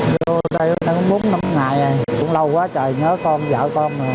vô đây bốn năm ngày rồi cũng lâu quá trời nhớ con dạo con rồi